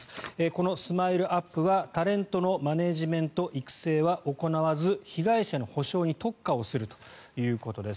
このＳＭＩＬＥ−ＵＰ．はタレントのマネジメント・育成は行わず被害者の補償に特化をするということです。